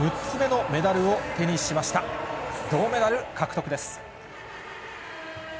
銅メダル獲得です。